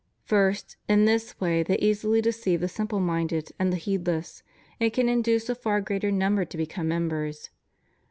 First, in this way they easily deceive the simple minded and the heedless, and can induce a far greater number to become members.